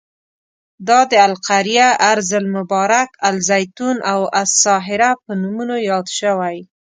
دا د القریه، ارض المبارک، الزیتون او الساهره په نومونو یاد شوی.